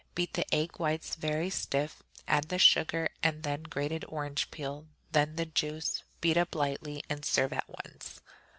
Beat the egg whites very stiff, add the sugar, then the grated orange peel, then the juice; beat up lightly and serve at once.